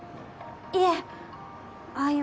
いえああいう